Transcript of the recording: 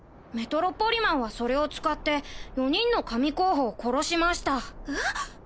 メトロポリマンはそれを使って４人の神候補を殺しましたえっ！？